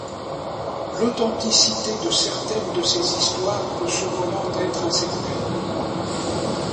L'authenticité de certaines de ces histoires peut cependant être incertaine.